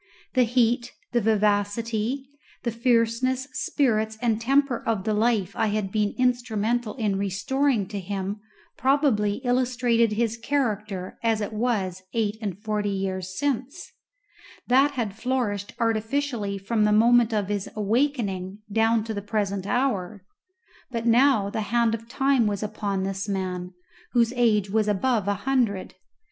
The heat, the vivacity, the fierceness, spirits, and temper of the life I had been instrumental in restoring to him probably illustrated his character as it was eight and forty years since; that had flourished artificially from the moment of his awakening down to the present hour; but now the hand of Time was upon this man, whose age was above an hundred.